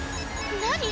何？